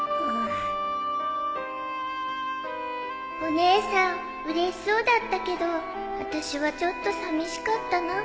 お姉さんうれしそうだったけどあたしはちょっとさみしかったな